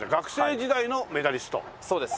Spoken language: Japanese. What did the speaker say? そうです。